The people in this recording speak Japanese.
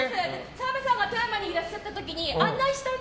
澤部さんが富山にいらっしゃった時にそう。